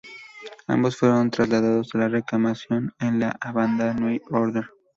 Ambos fueron trasladados a la re-encarnación de la banda New Order.